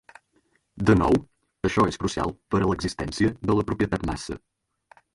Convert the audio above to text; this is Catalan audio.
De nou, això és crucial per a l'existència de la propietat "massa".